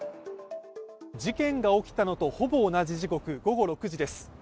事件が起きたのとほぼ同じ時刻、午後６時です。